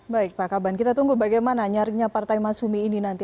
baik pak kaban kita tunggu bagaimana nyarinya partai masumi ini nanti